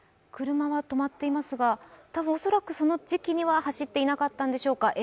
車は止まっていますがおそらく、その時期には走っていなかったんでしょうか。